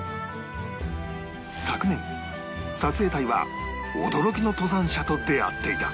昨年撮影隊は驚きの登山者と出会っていた